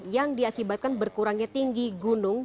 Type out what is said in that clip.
yang diakibatkan berkurangnya tinggi gunung